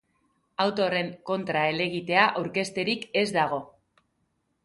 Auto horren kontra helegitea aurkezterik ez dago.